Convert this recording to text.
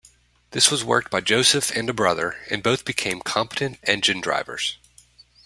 This was worked by Joseph and a brother and both became competent engine-drivers.